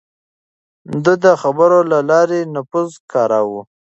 ده د خبرو له لارې نفوذ کاراوه.